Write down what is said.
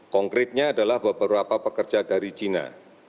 konkretnya adalah beberapa pekerja dari cina